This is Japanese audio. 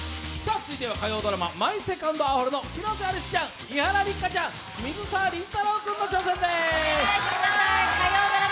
続いては火曜ドラマ「マイ・セカンド・アオハル」の広瀬アリスちゃん、伊原六花ちゃん、水沢林太郎君の挑戦です！